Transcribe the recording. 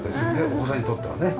お子さんにとってはね。